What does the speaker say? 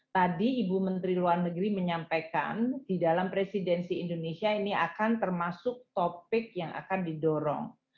tadi ibu menteri luar negeri menyampaikan di dalam presidensi indonesia ini akan termasuk topik yang akan didorong